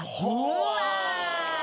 うわ！